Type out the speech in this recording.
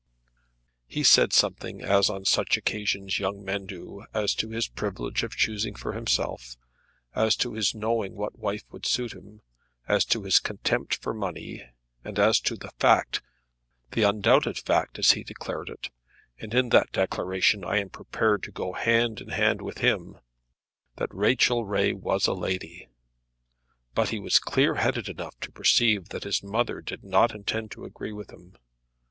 He said something, as on such occasions young men do, as to his privilege of choosing for himself, as to his knowing what wife would suit him, as to his contempt for money, and as to the fact, "the undoubted fact," as he declared it, and in that declaration I am prepared to go hand in hand with him, that Rachel Ray was a lady. But he was clear headed enough to perceive that his mother did not intend to agree with him.